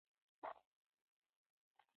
ایا زه باید بالښت وکاروم؟